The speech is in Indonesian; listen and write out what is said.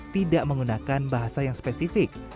tidak menggunakan bahasa yang spesifik